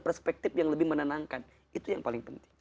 perspektif yang lebih menenangkan itu yang paling penting